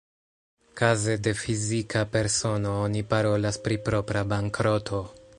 Kaze de fizika persono, oni parolas pri propra bankroto.